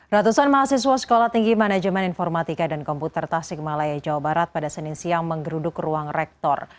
ratusan mahasiswa sekolah tinggi manajemen informatika dan komputer tasik malaya jawa barat pada senin siang menggeruduk ruang rektor